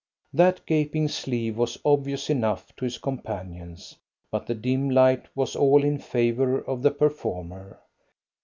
That gaping sleeve was obvious enough to his companions, but the dim light was all in favour of the performer.